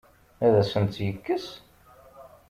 Ad asent-tt-yekkes?